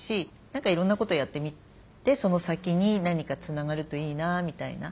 何かいろんなことやってみてその先に何かつながるといいなみたいな。